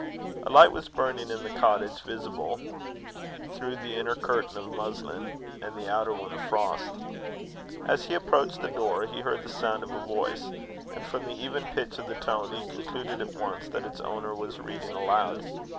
A light was burning in the cottage, visible through the inner curtain of muslin, and the outer one of frost. As he approached the door, he heard the sound of a voice; and from the even pitch of the tone, he concluded at once that its owner was reading aloud.